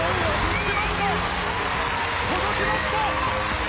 届けました！